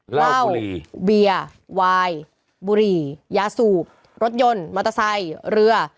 เหล้าเบียร์วายบุหรี่ยาสูบรถยนต์มอเตอร์ไซค์เรือ